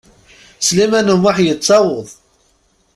Sliman U Muḥ yettaweḍ.